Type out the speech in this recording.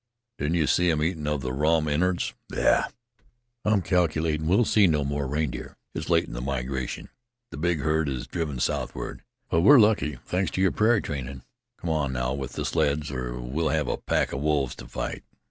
Didn't you see them eatin' of the raw innards? faugh! I'm calculatin' we'll see no more reindeer. It's late for the migration. The big herd has driven southward. But we're lucky, thanks to your prairie trainin'. Come on now with the sleds, or we'll have a pack of wolves to fight."